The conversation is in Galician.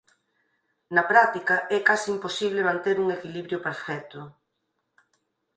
Na práctica é case imposible manter un equilibrio perfecto.